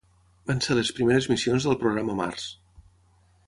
Van ser les primeres missions del programa Mars.